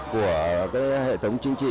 của hệ thống chính trị